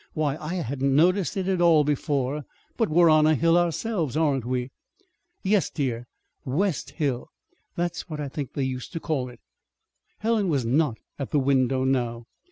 "Why, I hadn't noticed it at all before, but we're on a hill ourselves, aren't we?" "Yes, dear, West Hill. That's what I think they used to call it." Helen was not at the window now.